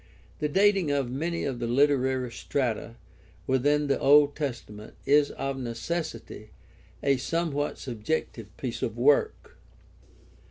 The dating of many of the literary strata within the Old Testa ment is of necessity a somewhat subjective piece of work.